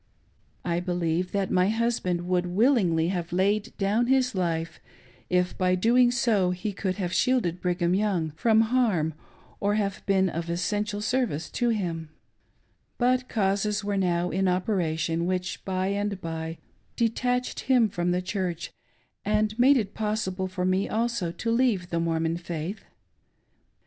I believe that my husband would willingly have laid down his life, if by so doing he could have shielded Brigham Young from harm or have been of essential service to him^ But causes were now in operation which, by and by, de tached him from the Church, and made it possible for me also to leave the Mormon faith.